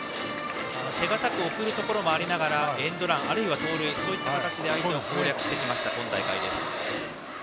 手堅く送るところもありエンドラン、あるいは盗塁そういった形で相手を攻略してきた今大会です。